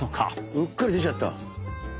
うっかり出ちゃった？